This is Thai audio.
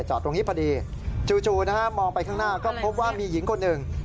จอดตรงนี้พอดีจู่นะฮะมองไปข้างหน้าก็พบว่ามีหญิงคนหนึ่ง